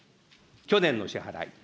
去年の支払い。